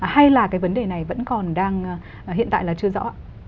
hay là cái vấn đề này vẫn còn đang hiện tại là chưa rõ